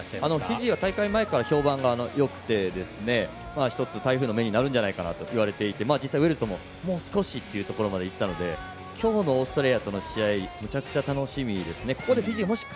フィジーは大会前から評判がよくて台風の目になるんじゃないかといわれていて実際、ウェールズとももう少しというところまでいったので今日のオーストラリアとの試合むちゃくちゃ楽しみですね。